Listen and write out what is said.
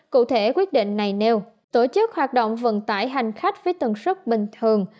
cụ thể quyết định này nêu tổ chức hoạt động vận tải hành khách với tầng sức bình thường